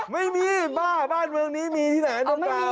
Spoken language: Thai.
ไม่มีที่จนได้บ้านเมืองนี้มีที่ในนนนน